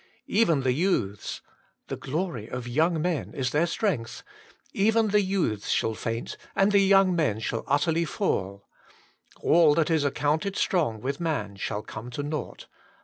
Even the youths' — *the glory of young men is their strength' — 'even the youths shall faint, and the young men shall utterly fall :' all that is accounted strong with man shall come to nought.